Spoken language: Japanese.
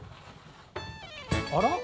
あら？